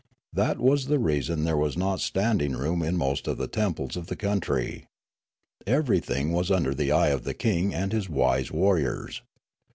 That was the reason there was not standing room in most of the temples of the country. Everything was under the eye of the king and his wise warriors.